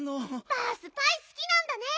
バースパイすきなんだね。